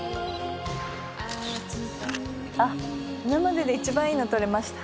あっ今までで一番いいの撮れました。